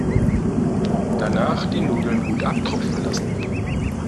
Danach die Nudeln gut abtropfen lassen.